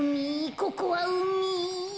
ここはうみ。